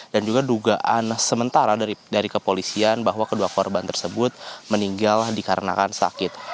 dan juga dugaan sementara dari kepolisian bahwa kedua korban tersebut meninggal dikarenakan sakit